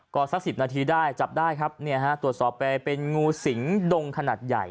ก็สัก๑๐นาทีได้จับได้ครับตรวจสอบไปเป็นงูสิงดงขนาดใหญ่